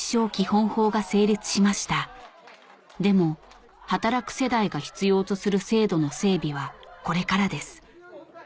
でも働く世代が必要とする制度の整備はこれからです